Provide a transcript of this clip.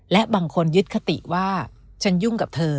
และบางคนยึดคติว่าฉันยุ่งกับเธอ